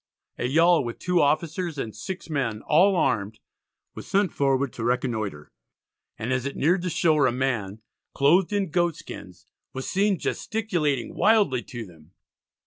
A yawl, with two officers and six men all armed, was sent forward to reconnoitre, and as it neared the shore a man "clothed in goat skins" was seen gesticulating wildly to them.